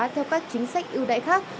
theo các chính sách yêu đại khác